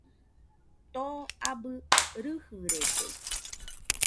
Too abɨ rɨjɨrede